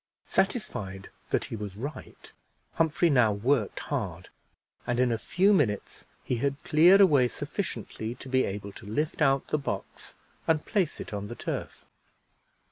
Satisfied that he was right, Humphrey now worked hard, and in a few minutes he had cleared away sufficiently to be able to lift out the box and place it on the turf.